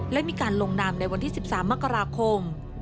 และมีการลงนามในวันที่๑๓มกราคม